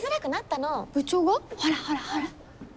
ほらほらほら。